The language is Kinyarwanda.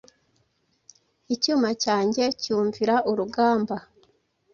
Icyuma cyanjye cyumvira urugamba